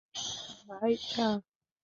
ভাই, চা।